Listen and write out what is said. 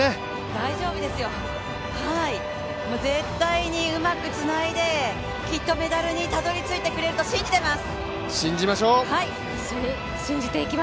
大丈夫ですよ、絶対にうまくつないで、きっとメダルにたどりついてくれると信じてます！